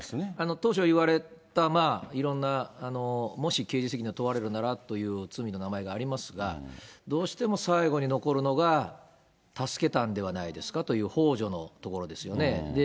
当初いわれたいろんな、もし刑事責任が問われるならという罪の名前がありますが、どうしても最後に残るのが助けたんではないですかという、ほう助のところですよね。